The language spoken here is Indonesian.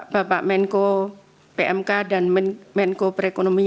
bapak menko pmk dan menko perekonomian